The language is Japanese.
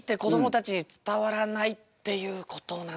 たちに伝わらないっていうことなんですよね。